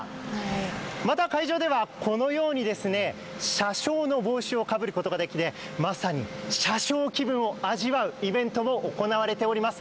また会場ではこのように車掌の帽子をかぶることができてまさに車掌気分を味わうイベントも行われております。